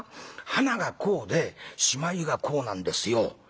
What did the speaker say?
はながこうでしまいがこうなんですよ」。